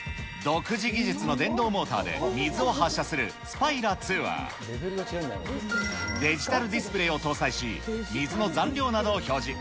独自技術の電動モーターで、水を発射するスパイラ・ツーは、デジタルディスプレーを搭載し、水の残量などを表示。